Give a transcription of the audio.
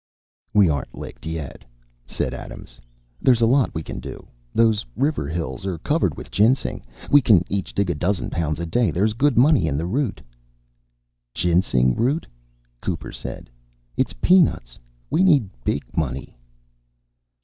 "We aren't licked yet," said Adams. "There's a lot that we can do. Those river hills are covered with ginseng. We can each dig a dozen pounds a day. There's good money in the root." "Ginseng root," Cooper said, "is peanuts. We need big money."